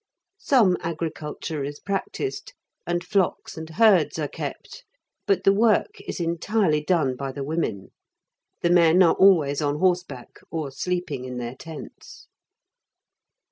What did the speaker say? Some agriculture is practiced, and flocks and herds are kept, but the work is entirely done by the women. The men are always on horseback, or sleeping in their tents.